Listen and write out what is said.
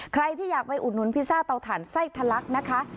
ใครที่อยากไปอุดหนุนพิซซ่าเตาถ่านไส้ทะลักนะคะ